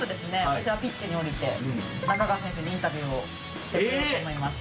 私はピッチに降りて仲川選手にインタビューをしてこようと思います。